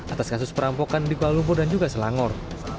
atas kasus perampokan di kuala lumpur dan juga selangor